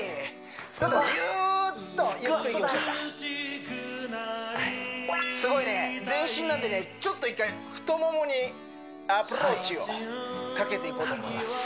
スクワットぎゅーっとスクワットいきましょうかすごいね全身なんでねちょっと一回太ももにアプローチをかけていこうと思います